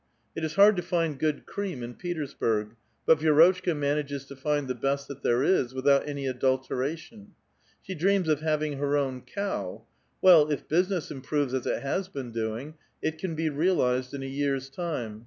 It is hard to find good cream in Petei*sburg, l)ut ^*i^rotchka manages to find the best that there is, without anv adulteration. She dreams of having her own cow ; well, if business improves as it has been doing, it can be realized in a year's time.